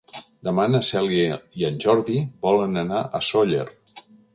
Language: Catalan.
Demà na Cèlia i en Jordi volen anar a Sóller.